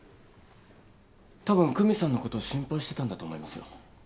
多分久実さんのこと心配してたんだと思いますよ。